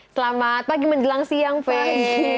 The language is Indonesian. selamat pagi menjelang siang fer